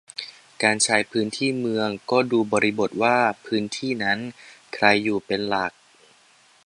การใช้พื้นที่เมืองก็ดูบริบทว่าพื้นที่นั้นใครอยู่เป็นหลัก